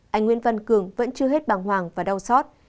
anh nguyễn văn cường vẫn chưa hết bàng hoàng và đau xót